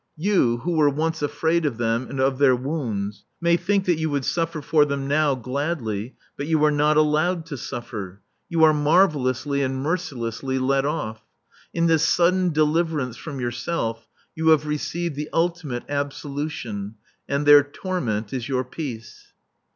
You, who were once afraid of them and of their wounds, may think that you would suffer for them now, gladly; but you are not allowed to suffer; you are marvellously and mercilessly let off. In this sudden deliverance from yourself you have received the ultimate absolution, and their torment is your peace.